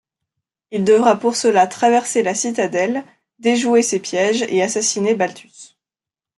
Il devra pour cela traverser la citadelle, déjouer ses pièges et assassiner Balthus.